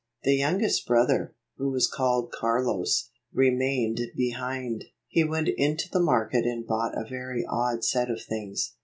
The youngest brother, who was called Carlos, remained behind. He went into the market and bought a very odd set of things.